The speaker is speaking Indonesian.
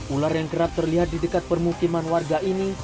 ular yang kerap terlihat di dekat permukiman warga ini